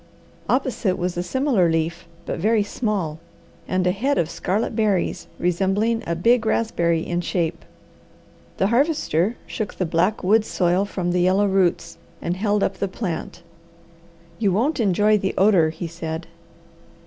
Opposite was a similar leaf, but very small, and a head of scarlet berries resembling a big raspberry in shape. The Harvester shook the black woods soil from the yellow roots, and held up the plant. "You won't enjoy the odour," he said.